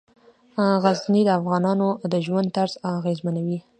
غزني د افغانانو د ژوند طرز اغېزمنوي.